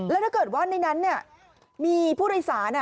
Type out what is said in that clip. แล้วถ้าเกิดว่าในนั้นเนี่ยมีผู้รีสานะ